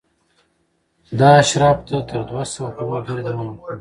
دا اشرافو تر دوه سوه کلونو پورې دوام ورکاوه.